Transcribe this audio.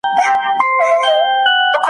د آسمان غېږه وه ډکه له بازانو ,